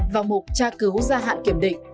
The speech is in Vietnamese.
vào mục tra cứu gia hạn kiểm định